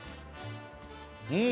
うん！